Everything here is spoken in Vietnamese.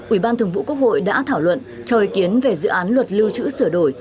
ủy ban thường vụ quốc hội đã thảo luận cho ý kiến về dự án luật lưu trữ sửa đổi